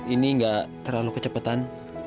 ini gak terlalu kecepetan